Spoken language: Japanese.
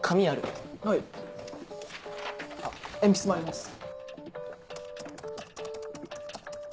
あっ鉛筆もあります。